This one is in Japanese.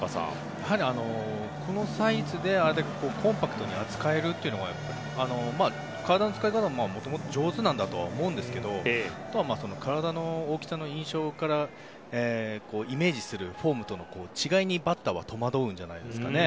このサイズでコンパクトに扱えるというのが体の使い方がもともと上手だと思うんですがあとは体の大きさの印象からイメージするフォームとの違いにバッターは戸惑うんじゃないですかね。